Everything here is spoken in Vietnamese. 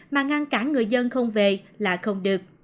mà ngăn cản người dân không về là không được